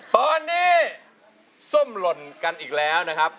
ตอนนี้ส้มหล่นกันอีกแล้วนะครับ